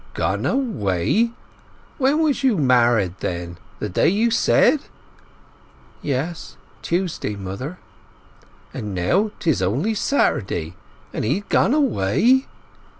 "Gone away! When was you married, then? The day you said?" "Yes, Tuesday, mother." "And now 'tis on'y Saturday, and he gone away?"